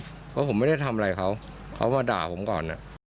เพราะผมไม่ได้ทำอะไรเขาเขามาด่าผมก่อน